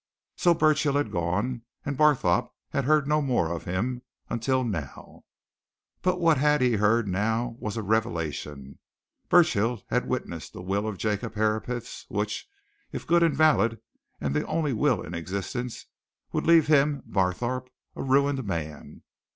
So Burchill had gone, and Barthorpe had heard no more of him until now. But what he had heard now was a revelation. Burchill had witnessed a will of Jacob Herapath's, which, if good and valid and the only will in existence, would leave him, Barthorpe, a ruined man.